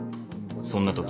そんな時